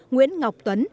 nguyễn ngọc tuấn